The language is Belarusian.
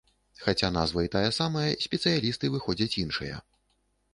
Хаця назва і тая ж самая, спецыялісты выходзяць іншыя.